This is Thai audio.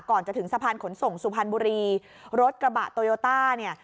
ก่อนจะถึงสะพานขนส่งสุพรรณบุรีรถกระบะโตโยต้าเนี่ย